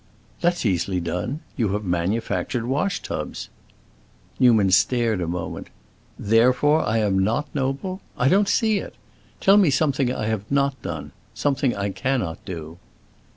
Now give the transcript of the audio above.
"That's easily done. You have manufactured wash tubs." Newman stared a moment. "Therefore I am not noble? I don't see it. Tell me something I have not done—something I cannot do."